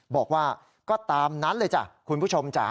บอกว่าก็ตามนั้นเลยจ้ะคุณผู้ชมจ๋า